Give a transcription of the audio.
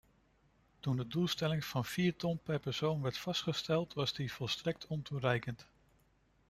Toen de doelstelling van vier ton per persoon werd vastgesteld, was die volstrekt ontoereikend.